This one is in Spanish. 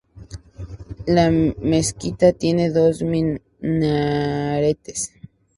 La mezquita tiene dos minaretes.